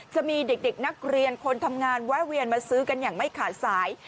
จะมีเด็กนักเรียนคนทำงานแวะเวียนมาซื้อกันอย่างไม่ขาดสาย